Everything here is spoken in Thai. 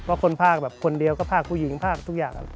เพราะคนภาคแบบคนเดียวก็ภาคผู้หญิงภาคทุกอย่างครับ